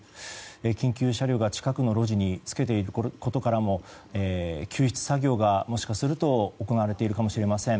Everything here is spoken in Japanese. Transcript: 緊急車両が近くの路地につけていることからも救出作業がもしかすると行われているかもしれません。